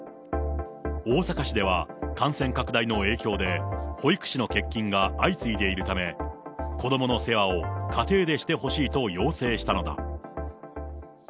大阪市では、感染拡大の影響で、保育士の欠勤が相次いでいるため、子どもの世話を家庭でしてほしいと要請したのだ。